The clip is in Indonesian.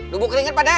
dumbu keringet pak deh